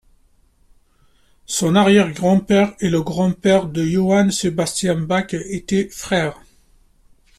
Son arrière-grand-père et le grand-père de Johann Sebastian Bach étaient frères.